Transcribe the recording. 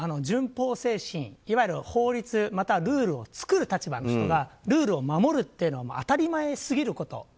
順法精神、いわゆる法律またはルールを作る立場の人がルールを守るというのは当たり前すぎること。